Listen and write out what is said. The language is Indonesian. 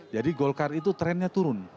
jadi golkar itu trennya turun